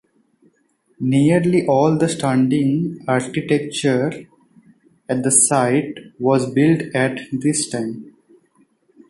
Nearly all the standing architecture at the site was built at this time.